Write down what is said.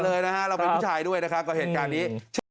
เราเป็นผู้ชายด้วยนะคะก่อนเหตุการณ์นี้